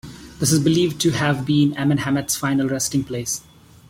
This is believed to have been Amenemhet's final resting place.